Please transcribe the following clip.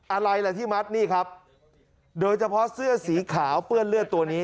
อะไรล่ะที่มัดนี่ครับโดยเฉพาะเสื้อสีขาวเปื้อนเลือดตัวนี้